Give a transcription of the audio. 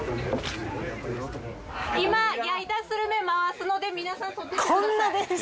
今焼いたスルメ回すので皆さん取ってってください。